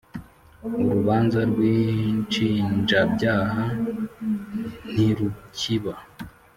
Urubanza rw ‘inshinjabyaha ntirukiba.